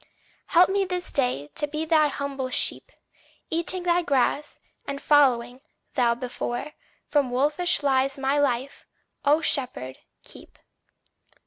Help me this day to be thy humble sheep, Eating thy grass, and following, thou before; From wolfish lies my life, O Shepherd, keep.